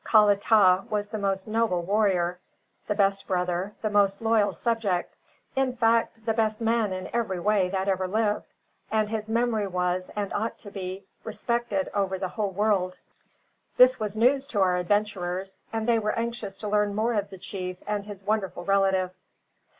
Kalatah was the most noble warrior, the best brother, the most loyal subject, in fact the best man in every way, that ever lived, and his memory was, and ought to be, respected over the whole world. This was news to our adventurers, and they were anxious to learn more of the chief and his wonderful relative.